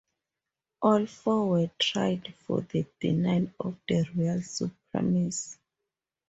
All four were tried for the denial of the royal supremacy.